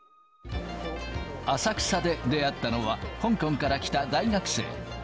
浅草で出会ったのは、香港から来た大学生。